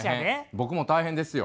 僕も大変ですよ。